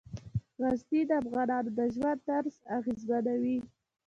غزني د افغانانو د ژوند طرز اغېزمنوي.